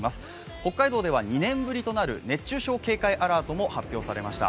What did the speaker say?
北海道では２年ぶりとなる熱中症警戒アラートも発表されました。